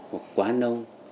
hoặc quá nông